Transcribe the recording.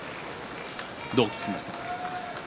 どう聞きましたか？